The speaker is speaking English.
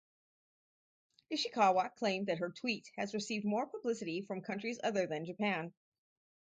Ishikawa claimed that her tweet has received more publicity from countries other than Japan.